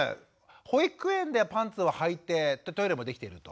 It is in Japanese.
保育園ではパンツをはいてトイレもできていると。